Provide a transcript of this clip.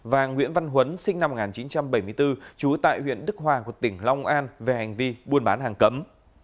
và nguyễn văn huấn sinh năm một nghìn chín trăm bảy mươi bốn trú tại huyện đức hòa của tỉnh long an về hành vi buôn bán hàng cấm